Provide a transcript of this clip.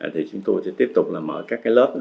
thì chúng tôi sẽ tiếp tục là mở các cái lớp